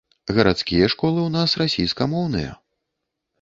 Гарадскія школы ў нас расійскамоўныя.